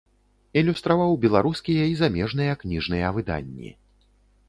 Ілюстраваў беларускія і замежныя кніжныя выданні.